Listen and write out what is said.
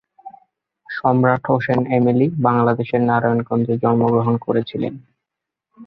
সম্রাট হোসেন এমিলি বাংলাদেশের নারায়ণগঞ্জে জন্মগ্রহণ করেছিলেন।